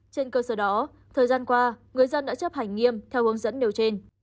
trên cơ sở đó thời gian qua người dân đã chấp hành nghiêm theo hướng dẫn nêu trên